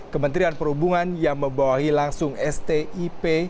kementerian perhubungan yang membawahi langsung stip